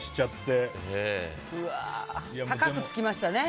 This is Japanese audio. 高くつきましたね。